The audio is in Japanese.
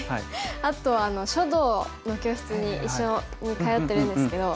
あと書道の教室に一緒に通ってるんですけど。